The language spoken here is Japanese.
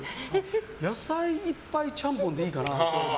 野菜いっぱいちゃんぽんでいいかなって。